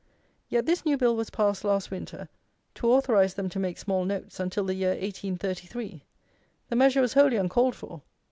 Yet this new Bill was passed last winter to authorize them to make small notes until the year 1833. The measure was wholly uncalled for.